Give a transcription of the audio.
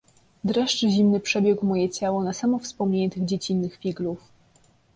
"Dreszcz zimny przebiegł moje ciało na samo wspomnienie tych dziecinnych figlów."